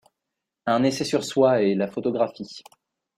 Un essai sur soi et la photographie.